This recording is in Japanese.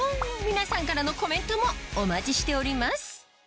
皆さんからのコメントもお待ちしております